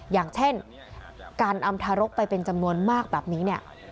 อย่างเช่นการนำทารกไปเป็นจำนวนมากแบบนี้เนี่ย